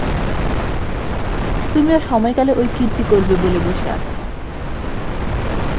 তুমিও সময়কালে ঐ কীর্তি করবে বলে বসে আছ।